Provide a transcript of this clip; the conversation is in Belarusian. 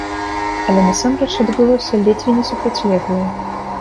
Але насамрэч адбылося ледзьве не супрацьлеглае.